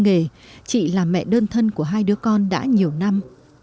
nghề chị là mẹ đơn thân của hai đứa con đã nhiều năm